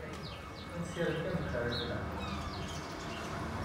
Ad nessirem kan bxir i tella.